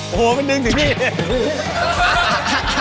โอ้โฮมันดึงถึงที่